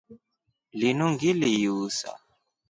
Linu ngili yuusa.